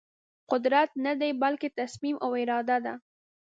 قدرت ندی بلکې تصمیم او اراده ده.